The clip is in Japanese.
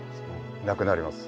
なくなります。